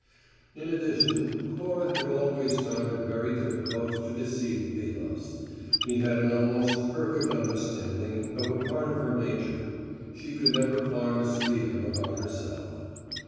In addition, Cora had always found it very difficult to deceive Vilas: he had an almost perfect understanding of a part of her nature; she could never far mislead him about herself.